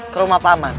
ke rumah paman